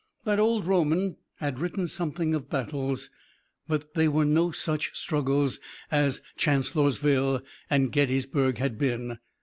That old Roman had written something of battles, but they were no such struggles as Chancellorsville and Gettysburg had been.